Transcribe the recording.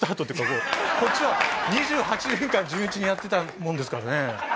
こっちは２８年間地道にやってたもんですからね。